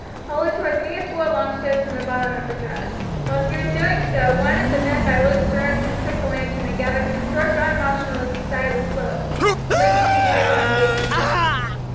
Polly tore three or four long strips from the bottom of her dress. While she was doing so one of the men by Luke's directions took the lantern and gathered some short dry moss from the side of the slope, and laid it in a ridge on the gaping wound.